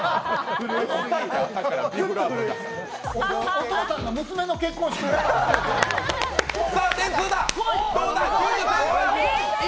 お父さんが娘の結婚式みたい。